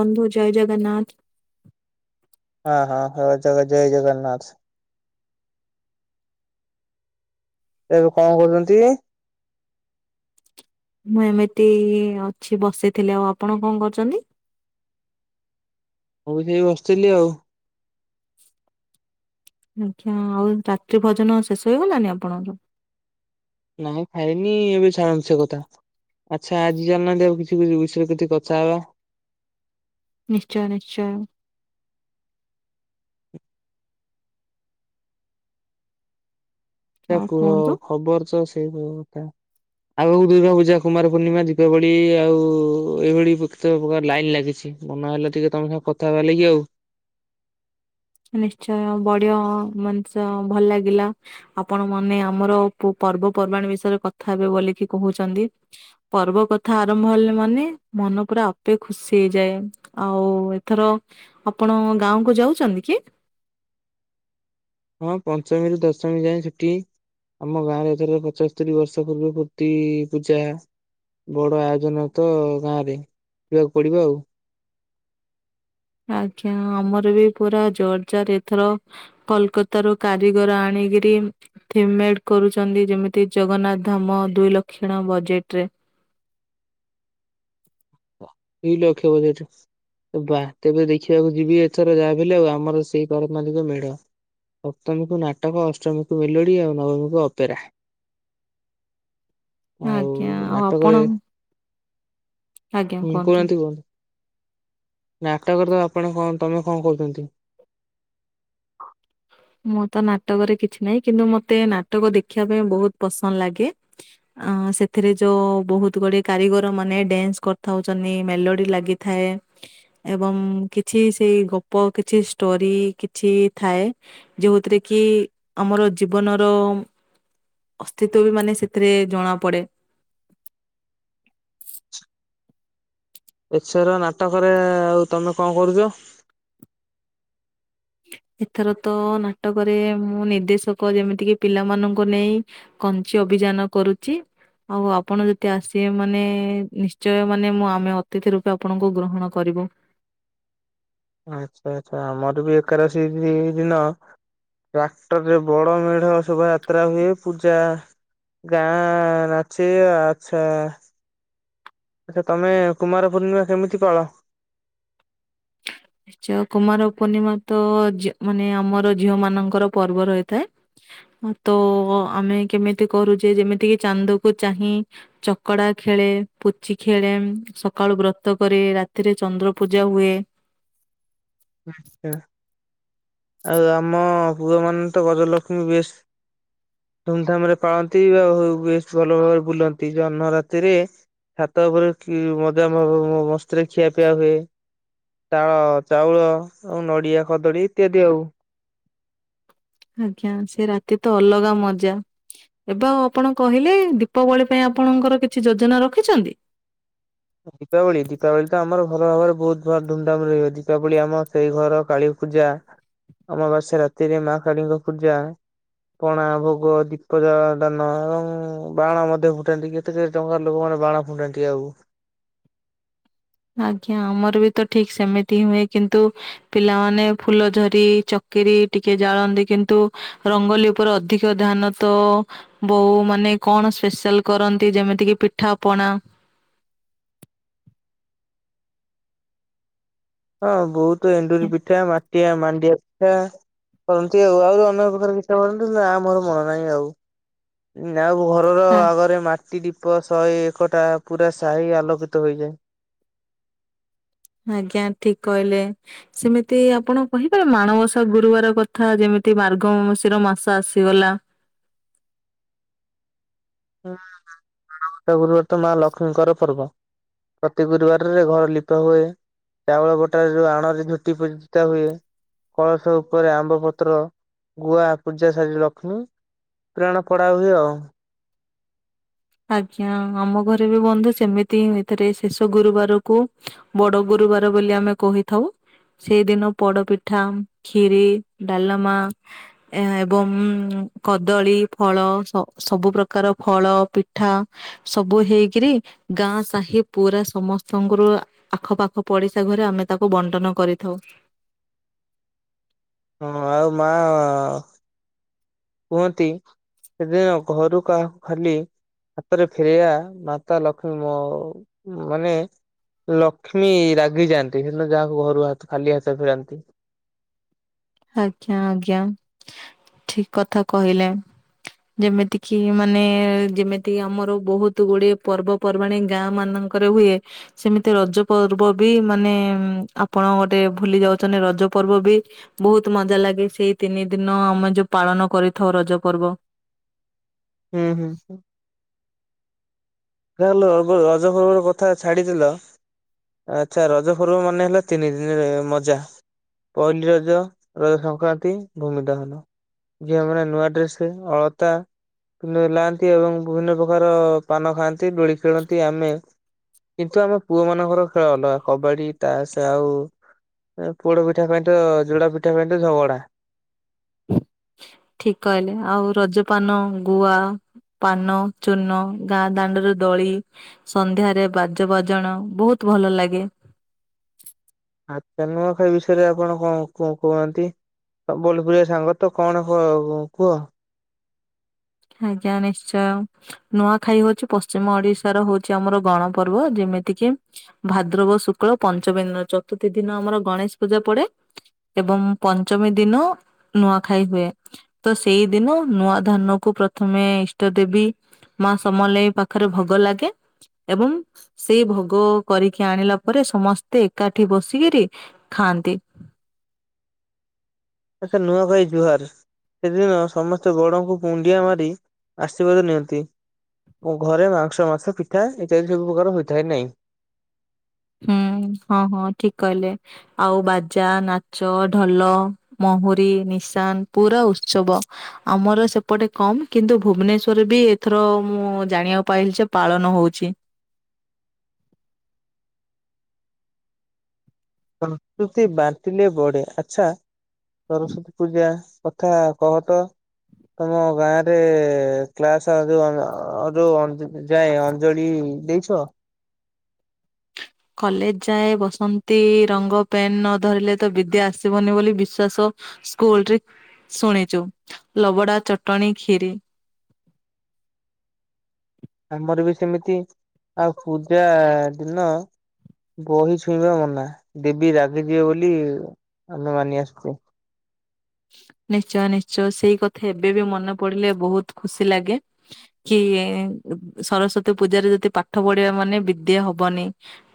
ବନ୍ଧୁ ଜୟ ଜଗନ୍ନାଥ। ହଁ ହଁ ହ ଜାଗ ଜୟ ଜଗନ୍ନାଥ। ଏବେ କଣ କରୁଛନ୍ତି? ମୁଁ ଏମିତି ଅଛି ବସିଥିଲି ଆଉ ଆପଣ କଣ କରୁଛନ୍ତି? ମୁଁ ସେଇ ବସିଥିଲି ଆଉ। ଆଜ୍ଞା ଆଉ ରାତ୍ରି ଭଜନ ଶେଷ ହେଇଗଲାନି ଆପଣଙ୍କର? ନାଇଁ ଖାଇନି ଏବେ ଚାଣନ୍ତୁ ସେ କଥା। ଆଚ୍ଛା ଆଜି ଚାଲିନାହାନ୍ତି ଆଉ କିଛି କିଛି ବିଷୟରେ କିଛି କଥା ହବା। ନିଶ୍ଚୟ ନିଶ୍ଚୟ। ଆଉ କୁହ କୁହନ୍ତୁ। ଖବର ତ ସେଇ ସବୁ କଥା। ଆଉକୁ ଦୁର୍ଗାପୂଜା, କୁମାର ପୂର୍ଣ୍ଣିମା, ଦୀପାବଳି ଆଉ ଏଇଭଳି କେତେ ପ୍ରକାର ଲାଇନ ଲାଗିଛି। ମନ ହେଲେ ଟିକେ ତମେ ସାଙ୍ଗ କଥାହେବା ଲା କି ଆଉ। ନିଶ୍ଚୟ ବଢିଆ ମଣିଷ ଭଲ ଲାଗିଲା। ଆପଣ ମାନେ ଆମର ପର୍ବପର୍ବାଣି ବିଷୟରେ କଥା ହେବେ ବୋଲିକି କହୁଛନ୍ତି। ପର୍ବ କଥା ଆରମ୍ଭ ହେଲେ ମାନେ, ମନ ପୁରା ଆପେ ଖୁସି ହେଇଯାଏ। ଆଉ ଏଥର ଆପଣ ଗାଁ କୁ ଯାଉଛନ୍ତି କି? ହଁ ପଞ୍ଚମୀରୁୁ ଦଶମୀ ଯାଏଁ ଛୁଟି। ଆମ ଗାଁରେ ଏଥର ପଚସ୍ତରୀ ବର୍ଷ ପୂର୍ବେ ଫୂର୍ତ୍ତି ପୂଜା ବଡ ଆୟୋଜନ ତ ଗାଁ ରେ ଯିବାକୁ ପଡିବ ଆଉ। ଆଜ୍ଞା ଆମର ବି ପୁରା ଜୋରଜାର ଏଥର କୋଲକତା ରୁ କାରିଗର ଆଣିକିରି ଥିମ୍ ମେଡ଼ କରୁଛନ୍ତି ଯେମିତି ଜଗନ୍ନାଥ ଧାମ ଦୁଇ ଲକ୍ଷଣ ବଜେଟ ରେ। ଦୁଇ ଲକ୍ଷ ବଜେଟ୍। ବା ତେବେ ଦେଖିବାକୁ ଯିବି ଏଥର, ଯାହାବି ହେଲେ ଆଉ ଆମର ସେଇ କରନାଲିକ ମେଢ। ସପ୍ତମୀକୁୁ ନାଟକ, ଅଷ୍ଟମୀକୁୁ ମେଲୋଡି, ଆଉ ନବମୀକୁ ଅପେରା। ଆଉ ଆଜ୍ଞା ଆଉ ନାଟକରେ ଆପଣ? ଆଜ୍ଞା ହୁଁ କୁହନ୍ତୁ। ନାଟକର ତ ଆପଣ କଣ ତମେ କଣ କରୁଛନ୍ତି। ମୁଁ ତ ନାଟକରେ କିଛି ନାହିଁ, କିନ୍ତୁ ମତେ ନାଟକ ଦେଖିବା ପାଇଁ ବହୁତ ପସନ୍ଦ ଲାଗେ ଅ ସେଥିରେ ଯୋଉ ବହୁତ ଗୁଡିଏ କାରିଗର ମାନେ ଡ୍ୟାନ୍ସ କରିଥାଉଛନ୍ତି ମେଲୋଡି ଲାଗି। ଥାଏ। ଏବଂ କିଛି ସେଇ ଗପ କିଛି ଷ୍ଟୋରି କିଛି ଥାଏ। ଯେଉଁଥିରେ କି ଆମର ଜୀବନର ଅସ୍ତିତ୍ୱ ବି ମାନେ ସେଥିରେ ଜଣା ପଡେ। ଏଛର ନାଟକରେ ଆଉ ତମେ କଣ କରୁଛ? ଏଥର ତ ନାଟକରେ ମୁଁ ନିର୍ଦ୍ଦେଶକ ଯେମିତିକି ପିଲାମାନଙ୍କୁ ନେଇ କଞ୍ଚି ଅଭିଯାନ କରୁଛି ଆଉ ଆପଣ ଯଦି ଆସିବେ ମାନେ ନିଶ୍ଚୟ ମାନେ ମୁଁ ଆମେ ଅତିଥି ରୂପେ ଆପଣଙ୍କୁ ଗ୍ରହଣ କରିବୁ। ଆଚ୍ଛା ଆଚ୍ଛା ଆମର ବି ଏକାଶୀ ଦିନ। ଟ୍ରାକ୍ଟର ରେ ବଡ ମେଢ ଶୋଭାଯାତ୍ରା ହୁଏ ପୂଜା। ଗାଁ ନାଚି ଆଛା। ଆଚଛା ତମେ କୁମାର ପୂର୍ଣ୍ଣିମା କେମିତି ପଳ। ନିଶ୍ଚୟ। ଜୟ କୁମାର ପୂର୍ଣିମା ତ ମାନେ ଆମର ଝିଅ ମାନଙ୍କର ପର୍ବ ରହିଥାଏ। ତ ଆମେ କେମିତି କରୁଛେ ଯେମିତିକି ଚାନ୍ଦକୁ ଚାହିଁ। ଚକଡା ଖେଳେ ପୁଚି ଖେଳେ ସକାଳୁ ବ୍ରତ କରେ ରାତିରେ ଚନ୍ଦ୍ର ପୂଜା ହୁଏ। ଆଛା ଆଉ ଆମ ପୂୁର ମ ତ ଗଜଲକ୍ଷ୍ମୀ ବେଶ। ଧୁମଧାମ ରେ ପାଳନ୍ତି ବା ବେଶ ଭଲ ଭାବରେ ବୁଲନ୍ତି ଅନ୍ନ ରାତିରେ। ଛାତ ଉପରେ ମଜା ମସ୍ତିରେ ଖିଆ ପିଆ ହୁଏ। ଚାଳ ଚାଉଳ ଆଉ ନଡିଆ ଖଦଡିୀ ଇତ୍ୟାଦି ଆଉ। ଆଜ୍ଞା ସେ ରାତି ତ ଅଲଗା ମଜା। ଏବେ ଆଉ ଆପଣ କହିଲେ ଦୀପାବଳି ପାଇଁ ଆପଣଙ୍କର କିଛି ଯୋଜନା ରଖିଛନ୍ତି। ଦୀପାବଳି ଦୀପାବଳି ତ ଆମର ଭଲ ଭାବରେ ବହୁତ ଧୁମଧାମରେ ରହିବ ଦୀପାବଳି ଆମ ସେଇ ଘର କାଳି ପୂଜା ଅମାବାସ୍ୟା ରାତିରେ ମା କାଳୀଙ୍କ ପୂଜା। ପଣା ଭୋଗ ଦୀପ ଦାନ ଏବଂ ବାଣ ମଧ୍ୟ ଫୁଟାନ୍ତି ଟିକେ। କେତେ କେତେ ଟଙ୍କା ଲୋକାନେ ବାଣ ଫୁଣ୍ଡା ଟଆ ଆଉ ଆଜ୍ଞା ଆମର ବି ତ ଠିକ ସେମିତି ହ ହୁଏ କିନ୍ତୁ ପିଲାମାନେ ଫୁଲ ଧଝରି ଚକିରି ଟିକେ ଜାଳନ୍ତି କିନ୍ତୁ ରଙ୍ଗୋଲି ଉପରେ ଅଧିକ ଧ୍ୟାନ ତ। ବୋ ମାନେ କଣ ସ୍ପେଶାଲ କରନ୍ତି ଯେମିତି କି ପିଠାପଣା। ହଁ ବହୁତ ଏଣ୍ଡୁରି ପିଠା ମାଟିଆ ମାଣ୍ଡିଆ। ଆ କରନ୍ତି ଆଉ ଆହୁରି ଅେକ ପ୍ରକାର କିୀତା ପଢନ୍ତି ଆ ମୋର ମନ ନାହିଁ ଆଉ। ଆଉ ଘରର ଆଗରେ ମାଟି। ପାଟି ୀପ ଶହେ ଏକଟା ପୁରା ସାହି ଆଲୋକିତ ହୋଇଯାଏ। ଆଜ୍ଞା ଠିକ କହିଲେ। ସେମିତି ଆପଣ କହପାରେ ମାଣବସା ଗୁରୁବାର କଥା ଯେମିତି ମାର୍ଗ ମାଶିର ମାସ ଆସିଗଲା। ହୁଁଟ ଗୁର୍ବର ତ ମା ଲକ୍ଷ୍ମୀଙ୍କର ପର୍ବ। ପ୍ରତି ଗୁରୁବାରରେ ଘର ଲିପା ହୁଏ। ଚାଉଳ ବଟା ଯଉ ଆଣରେ ଝୁଟି ପୂଜିତା ହୁଏ। କଳସ ଉପରେ ଆମ୍ବ ପତ୍ର ଗୁଆ ପୂଜା ସାରିଲ ଲକ୍ଷ୍ମୀ। ପ୍ରାଣ ପଡା ହୁଏ ଆଉ। ଆଜ୍ଞା ଆମ ଘରେ ବି ବନ୍ଧୁ ସେମିତି ଏଥିରେ ଶେଷ ଗୁରୁବାରକୁ। ବଡ ଗୁରୁବାର ବୋଲି ଆମେ କହିଥାଉ। ସେଇଦିନ ପୋଡପିଠା ଖିରି ଡାଲମା। ଏ ଏବଂ କଦଳୀ ଫଳ ସବୁ ପ୍ରକାର ଫଳ ପି ଉଠା ସବୁ ହେଇକିରି ଗାଁ ସାହି ପୁରା ସମସ୍ତଙ୍କର ଆଖପାଖ ପଡିଶା ଘରେ ଆମେ ତାକୁ ବଣ୍ଟନ କରିଥାଉ। ହଁ ଆଉ ମା। କୁହନ୍ତି ସେଦିନ ଘରୁ କାହା ଖାଲି ହାତରେ ଫେରିବା ମାତା ଲକ୍ଷ୍ମୀ ମାନେ ଲକ୍ଷ୍ମୀ ରାଗିଯାଆନ୍ତି ସେଦିନ ଯାହାକୁ ଘରୁ ଖାଲି ହାତ ଫେରାନ୍ତି। ଆଜ୍ଞା ଆଜ୍ଞା ଠିକ କଥା କହିଲେ। ଯେମିତି କିି ମାନେ ଯେମିତି ଆମର ବହୁତ ଗୁଡିଏ ପର୍ବ ପର୍ବାଣ ଗାଁ ମାନଙ୍କରେ ହୁଏ। ସେମିତି ରଜ ପର୍ବ ବି ମାନେ ଆପଣ ଗୋଟେ ଭୁଲି ଯାଉଛନ୍ତି ରଜ ପର୍ବ ବି। ବହୁତ ମଜା ଲାଗେ ସେଇ ତିନି ଦିନ ଆମେ ଯୋଉ ପାଳନ କରିଥାଉ ରଜ ପର୍ବ। ହୁଁ ହୁଁ ହୁଁ। ଏ ହାଲୋ ରଜ ଖବର କଥା ଛାଡିଥିଲ। ଆଚ୍ଛା ରଜ ପର୍ବ ମାନେ ହେଲା, ତିନି ଦିନି ମଜା। ପହଲିି ରଜ, ରଜ ସଂକ୍ରାନ୍ତି, ଭୂମି ଦହନ। ଝିଅମାନେ ନୂଆ ଡ୍ରେସ ପିନ୍ଧି ଅଳତା ଲାଆନ୍ତି ଏବଂ ବିଭିନ୍ନ ପ୍ରକାର ପାନ ଖାଆନ୍ତି ଦୋଳି ଖେଳନ୍ତି ଆମେ କିନ୍ତୁ ଆମ ପୁଅ ମାନଙ୍କର ଖେଳ ଅଲଗା କବାଡି, ତାସ ଆଉ ଏ ପୋଡପିଠା ପାଇଁ ତ ଯୁଡା ପିଠା ପାଇଁ ତ ଝଗଡା ଠିକ କହିଲେ ଆଉ ରଜପାନ, ଗୁଆ ପାନ, ଚୂନ, ଗାଁ ଦାଣ୍ଡର ଦଳି। ସନ୍ଧ୍ୟାରେ ବାଜ ବାଜନ ବହୁତ ଭଲ ଲାଗେ। ଆ ଚା ନୂଆଖାଇ ବିଷୟରେ ଆପଣ କଣ କଣ କୁହନ୍ତି? ବୋଲପୁରଆ ସାଙ୍ଗ ତ କଣ କ କୁହ? ଆଜ୍ଞା ନିଶ୍ଚୟ। ନୂଆଖାଇ ହଉଛି ପଶ୍ଚିମ ଓଡିଶାର ହଉଛି ଆମର ଗଣ ପର୍ବ। ଯେମିତି କିି ଭାଦ୍ରବ ଶୁକ୍ଳ ପଞ୍ଚମୀ ଦିନ ଚତୁର୍ଥୀ ଦିନ ଆମର ଗଣେଶ ପୂଜା ପଡେ ଏବଂ ପଞ୍ଚମୀ ଦିନ ନୂଆଖାଇ ହୁଏ ତ ସେଇଦିନ ନୂଆ ଧାନ। କୁ ପ୍ରଥମେ ଇଷ୍ଟ ଦେବୀ ମା ସମଲେଇ ପାଖରେ ଭୋଗ ଲାଗେ। ଏବଂ ସେଇ ଭୋଗ କରିକି ଆଣିଲା ପରେ ସମସ୍ତେ ଏକାଠି ବସିକିରି। ଖାଆନ୍ତି। ଆଚ୍ଛା ନୂଆଖାଇ ଜୁହାର। ସେଦିନ ସମସ୍ତେ ବଡଙ୍କୁ ମୁଣ୍ଡିଆ ମାରି ଆଶୀର୍ବାଦ ନିଅନ୍ତି। ଘରେ ମାଂସ ମାସ ପିଠା ଇତ୍ୟାଦି ସବୁ ପ୍ରକାର ହୋଇଥାଏ ନାଇଁ। ହୁଁ ହଁ ହଁ ଠିକ କହିଲେ ଆଉ ବାଜା ନାଚ ଢଲ ମହୁରୀ, ନିଶାନ ପୁରା ଉତ୍ସବ। ଆମର ସେପଟେ କମ କିନ୍ତୁ ଭୁବନେଶ୍ଵରରେ ବି ଏଥର ମୁଁ ଜାଣିବାକୁ ପାଇଲିି ଯେ ପାଳନ ହଉଛି। ସଂସ୍କୃତି ବାଣ୍ଟିଲେ ବଢେ, ଆଚ୍ଛା ସରସ୍ଵତୀ ପୂଜା କଥା କହ ତ ତମ ଗାଁରେ କ୍ଲାସ [inaudible] ଯାଏ ଅଞ୍ଜଳି ଦେଇଛ। କଲେଜ ଯାଏ ବସନ୍ତି ରଙ୍ଗ ପେନ୍ ଧରିଲେ ତ ବିଦ୍ୟା ଆସିବନି ବୋଲି ବିଶ୍ଵାସ ସ୍କୁଲରେ ଶୁଣିଛୁ ଲବଡ଼ା, ଚଟଣୀ, କ୍ଷୀରି। ଆମର ବି ସେମିତି ଆଉ ପୂଜା ଦିନ ବହି ଛୁଇଁବା ମନା, ଦେବୀ ରାଗିଯିବେ ବୋଲି ଆମେ ମାନି ଆସୁଚୁ ନିଶ୍ଚୟ ନିଶ୍ଚୟ ସେଇ କଥା ଏବେ ବି ମନେ ପଡିଲେ ବହୁତ ଖୁସି ଲାଗେ। କି ସରସ୍ଵତୀ ପୂଜାରେ ଯଦି ପାଠ ପଢିବା ମାନେ ବିଦ୍ୟା ହବନି।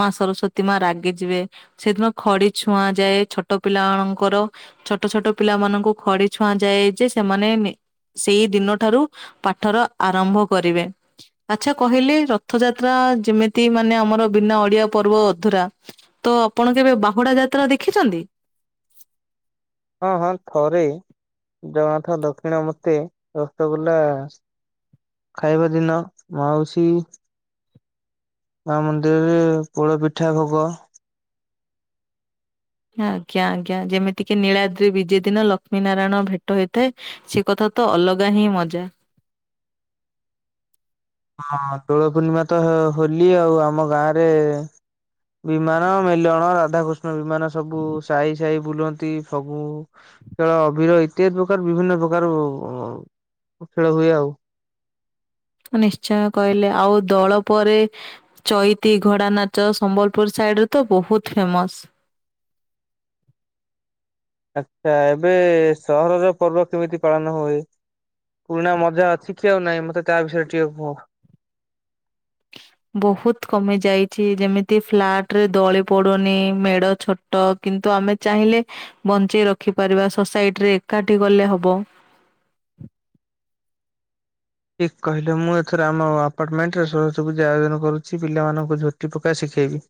ମା ସରସ୍ଵତୀ ମା ରାଗି ଯିବେ। ସେଦିନ ଖଡି ଛୁଆଁ ଯାଏ ଛୋଟ ପିଲାମାନଙ୍କର ଛୋଟ ଛୋଟ ପିଲାମାନଙ୍କୁ ଖଡି ଛୁଆଁ ଯାଏ ଯେ ସେମାନେ ସେଇଦିନ ଠାରୁ ପାଠର ଆରମ୍ଭ କରିବେ। ଆଚ୍ଛା କହିଲେ, ରଥଯାତ୍ରା ଯେମିତି ମାନେ ଆମର ବିନା ଓଡିଆ ପର୍ବ ଅଧୁରା ତ ଆପଣ କେବେ ବାହୁଡା ଯାତ୍ରା ଦେଖିଛନ୍ତି? ହଁ ହଁ ଥରେ ଜଗନ୍ନାଥ ଦକ୍ଷିଣ ମତେ ରସଗୋଲ୍ଲା ଖାଇବା ଦିନ ମାଉସୀ ମା ମନ୍ଦିରରେ ପୋଳ ପିଠା ଭୋଗ ଆଜ୍ଞା ଆଜ୍ଞା ଯେମିତିକି ନୀଳାଦ୍ରି ବିଜେ ଦିନ ଲକ୍ଷ୍ମୀ ନାରାୟଣ ଭେଟ ହେଇଥାଏ। ସେ କଥା ତ ଅଲଗା ହିଁ ମଜା। ହଁ ଦୋଳ ପୂର୍ଣ୍ଣିମା ତ ହୋଲି ଆଉ ଆମ ଗାଁରେ ବିମାନ ମେଲଣ, ରାଧାକୃଷ୍ଣ ବିମାନ ସବୁ ସାହି ସାହି ବୁଲନ୍ତି ଫଗୁ ଖେଳ ଅବିର ଇତ୍ୟାଦି ପ୍ରକାର ବିଭିନ୍ନ ପ୍ରକାର ଖେଳ ହୁଏ ଆଉ। ନିଶ୍ଚୟ କହିଲେ ଆଉ ଦଳ ପରେ ଚଇତି ଘୋଡାନାଚ ସମ୍ବଲପୁର ସାଇଡରେ ତ ବହୁତ ଫେମସ। ଆଛା ଏବେ ସହରର ପର୍ବ କେମିତି ପାଳନ ହୁଏ? ପୁରୁଣା ମଜା ଅଛି କି ଆଉ ନାଇଁ ମତେ ତା ବିଷୟରେ ଟିକେ କୁହ ବହୁତ କମି ଯାଇଛି ଯେମିତି ଫ୍ଲାଟ ରେ ଦଳି ପଡୁନି ମେଢ ଛଟ କିନ୍ତୁ ଆମେ ଚାହିଁଲେ ବଞ୍ଚେଇ ରଖି ପାରିବା ସୋସାଇଟି ରେ ଏକାଠି ଗଲେ ହବ ଠିକ କହିଲେ ମୁଁ ଏଥର ଆମ ଆପାର୍ଟମେଣ୍ଟ ରେ ସବୁ ଆୟୋଜନ କରୁଛି ପିଲାମାନଙ୍କୁ ଝୋଟି ପକା ଶିଖେଇବି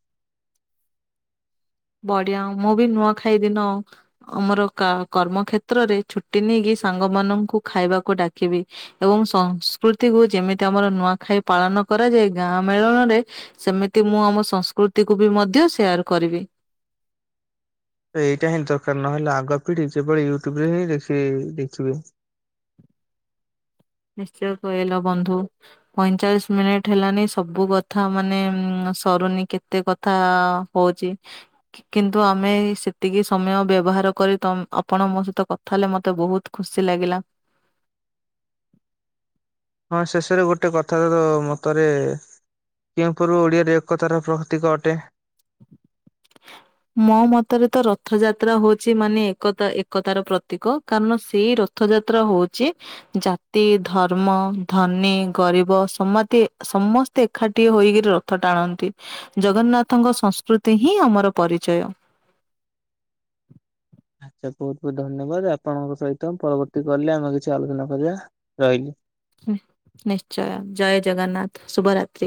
ବଢିଆ ମୁଁ ବି ନୂଆ ଖାଇଦିନ ଆଉ ଆମର କର୍ମ କ୍ଷେତ୍ରରେ ଛୁଟି ନେଇକି ସାଙ୍ଗ ମାନଙ୍କୁ ଖାଇବାକୁ ଡାକିବି ଏବଂ ସଂସ୍କୃତିକୁୁ ଯେମିତି ଆମର ନୂଆଖାଇ ପାଳନ କରାଯାଏ ଗାଁ ମେଳଣରେ ସେମିତି ମୁଁ ଆମ ସଂସ୍କୃତି କୁ ବି ମଧ୍ୟ ସେୟାର କରିବି ତ ଏଇଟା ହିଁ ଦରକାର ନହେଲେ ଆଗ ପିଢି ଯେଭଳି ୟୁଟ୍ୟୁବ ରେ ହିଁ ଦେଖି ଦେଖିବେ ନିଶ୍ଚୟ କହିଲ ବନ୍ଧୁ ପଇଁଚାଳିଶ ମିନିଟ୍ ହେଲାଣି ସବୁ କଥା ମାନେ ସରୁନି କେତେ କଥା ହଉଛି କିନ୍ତୁ ଆମେ ସେତିକି ସମୟ ବ୍ୟବହାର କରି ଆପଣ ମୋ ସହିତ କଥା ତାଲେ ମତେ ବହୁତ ଖୁସି ଲାଗିଲା ହଁ ଶେଷରେ ଗୋଟେ କଥା ତ ମତରେ କି ପୂର୍ବ ଓଡିଆରେ ଏକତାର ପ୍ରତୀକ ଅଟେ ମୋ ମତରେ ତ ରଥଯାତ୍ରା ହଉଛି ମାନେ ଏକତା ଏକତାର ପ୍ରତୀକ କାରଣ ସେଇ ର ରର୍ଥଯାତ୍ରା ହଉଛି ଜାତି ଧର୍ମ ଧନୀ ଗରିବ ସମାଧି ସମସ୍ତେ ଏକାଠିଏ ହୋଇକିରି ରଥ ଟାଣନ୍ତି ଜଗନ୍ନାଥଙ୍କ ସଂସ୍କୃତି ହିଁ ଆମର ପରିଚୟ ଆଚ୍ଛା ବହୁତ ବହୁତ ଧନ୍ୟବାଦ ଆପଣଙ୍କ ସହିତ ପରବର୍ତ୍ତୀ କଲରେ ଆମେ କିଛି ଆଲୋଚନା କରିବା ରହିଲି ନିଶ୍ଚୟ ଜୟ ଜଗନ୍ନାଥ ଶୁଭ ରାତ୍ରି